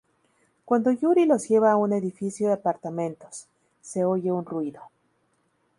Cuando Yuri los lleva a un edificio de apartamentos, se oye un ruido.